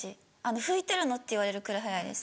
「拭いてるの？」って言われるくらい早いです。